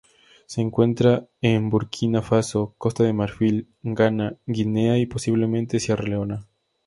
Se encuentra en Burkina Faso, Costa de Marfil, Ghana, Guinea, y, posiblemente, Sierra Leona.